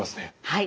はい。